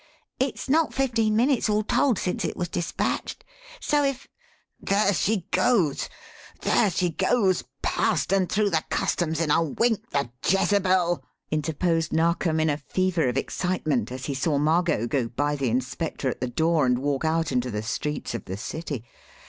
"It's not fifteen minutes all told since it was dispatched. So if " "There she goes! there she goes! Passed, and through the customs in a wink, the Jezebel!" interposed Narkom, in a fever of excitement, as he saw Margot go by the inspector at the door and walk out into the streets of the city.